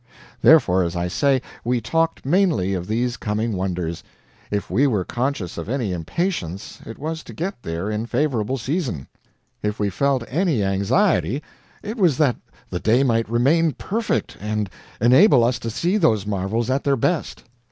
Therefore, as I say, we talked mainly of these coming wonders; if we were conscious of any impatience, it was to get there in favorable season; if we felt any anxiety, it was that the day might remain perfect, and enable us to see those marvels at their best.